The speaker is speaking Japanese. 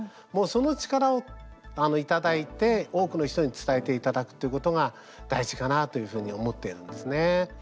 その力をいただいて、多くの人に伝えていただくということが大事かなというふうに思っているんですね。